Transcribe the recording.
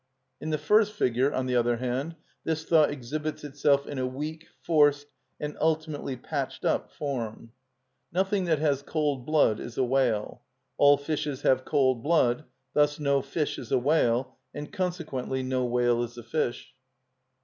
In the first figure, on the other hand, this thought exhibits itself in a weak, forced, and ultimately patched up form: Nothing that has cold blood is a whale; All fishes have cold blood: Thus no fish is a whale, And consequently no whale is a fish.